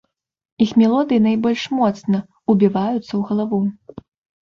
Іх мелодыі найбольш моцна ўбіваюцца ў галаву.